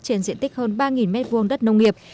trên diện tích hơn ba m hai đất nông nghiệp